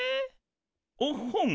おっほん！